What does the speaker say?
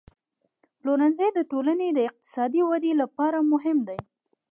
پلورنځی د ټولنې د اقتصادي ودې لپاره مهم دی.